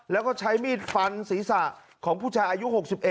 แล้วก็ใช้มีดฟันศีรษะของผู้ชายอายุ๖๑